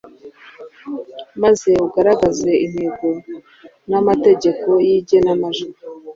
maze ugaragaze intego n’amategeko y’igenamajwi.